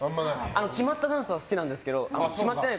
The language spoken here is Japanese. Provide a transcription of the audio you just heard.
決まったダンスは好きなんですが決まってない